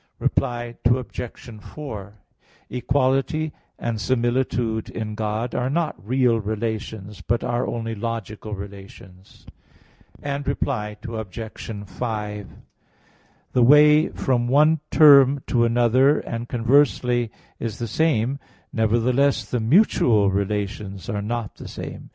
Reply Obj. 4: Equality and similitude in God are not real relations; but are only logical relations (Q. 42, A. 3, ad 4). Reply Obj. 5: The way from one term to another and conversely is the same; nevertheless the mutual relations are not the same.